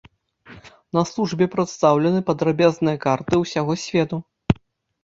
На службе прадстаўлены падрабязныя карты усяго свету.